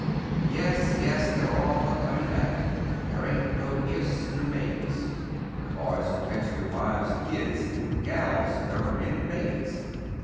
Yes yes! They're all a comin' back; There ain't no ifs n'r maybes. The boys'll fetch the'r wives an' kids; The gals, th'r men an' babies.